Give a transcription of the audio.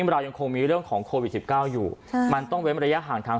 เรายังคงมีเรื่องของโควิด๑๙อยู่ใช่มันต้องเว้นระยะห่างทาง